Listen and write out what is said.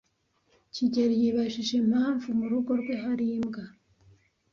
kigeli yibajije impamvu mu rugo rwe hari imbwa.